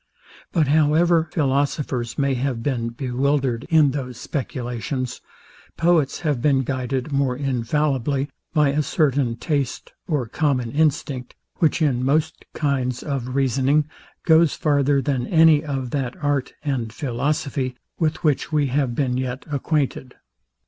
But however philosophers may have been bewildered in those speculations, poets have been guided more infallibly, by a certain taste or common instinct, which in most kinds of reasoning goes farther than any of that art and philosophy, with which we have been yet acquainted.